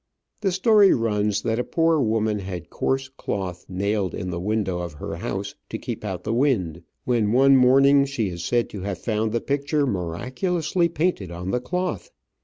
The story runs that a poor woman had coarse cloth nailed in the window of her house to keep out the wind, when one morning she is said to have found the picture miraculously painted on the cloth!